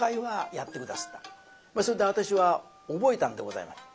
それで私は覚えたんでございます。